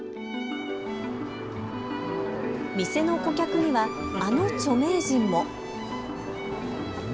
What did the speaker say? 店の顧客にはあの著名人も。